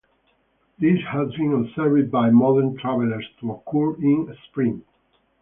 This has been observed by modern travelers to occur in spring.